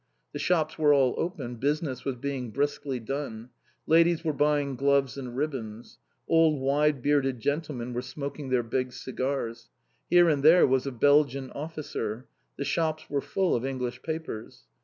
The shops were all open. Business was being briskly done. Ladies were buying gloves and ribbons, old wide bearded gentlemen were smoking their big cigars. Here and there was a Belgian officer. The shops were full of English papers.